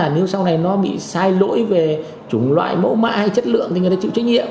nếu sau này nó bị sai lỗi về chủng loại mẫu mã hay chất lượng thì người ta chịu trách nhiệm